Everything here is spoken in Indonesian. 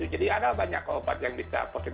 jadi ada banyak obat yang bisa